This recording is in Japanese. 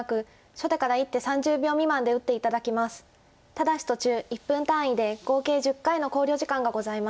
ただし途中１分単位で合計１０回の考慮時間がございます。